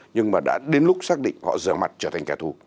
nhưng mà đã đến lúc xác định họ dờ mặt trở thành kẻ thù